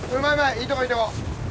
いいとこいいとこ。